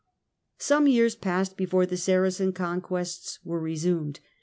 Some years passed before the Saracen conquests were resumed.